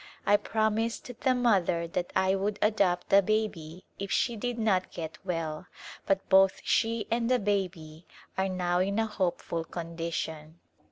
I promised the mother that I would adopt the baby if she did not get well, but both she and the baby are now in a hopeful condition.